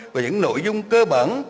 về những nội dung cơ bản